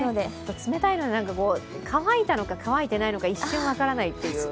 冷たいので乾いたのか乾いていないのか一瞬、分からないっていう。